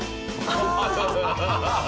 ハハハハハ！